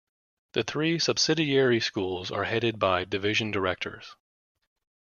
The three subsidiary schools are headed by Division Directors.